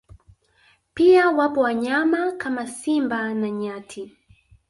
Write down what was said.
Pia wapo wanyama kama Simba na nyati